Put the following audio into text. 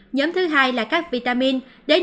nhóm thứ hai là các vitamin